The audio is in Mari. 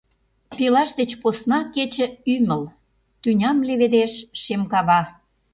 Пелаш деч посна кече — ӱмыл, Тӱням леведеш шем кава.